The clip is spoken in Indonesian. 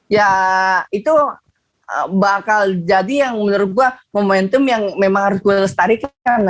ya itu bakal jadi yang menurut gue momentum yang memang harus gue lestarikan